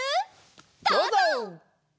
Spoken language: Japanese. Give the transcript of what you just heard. どうぞ！